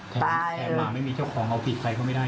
แทงหมาไม่มีเจ้าของเอาผิดใครก็ไม่ได้